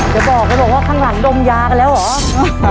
จะบอกแกบอกว่าข้างหลังดมยากันแล้วเหรอ